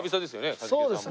一茂さんも。